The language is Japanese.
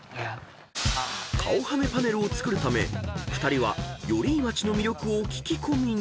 ［顔はめパネルを作るため２人は寄居町の魅力を聞き込みに］